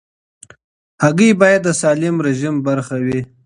هګۍ باید د سالم رژیم برخه وي.